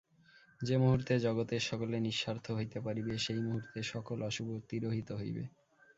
যে মুহূর্তে জগতের সকলে নিঃস্বার্থ হইতে পারিবে, সেই মুহূর্তে সকল অশুভ তিরোহিত হইবে।